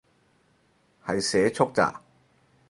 係社畜咋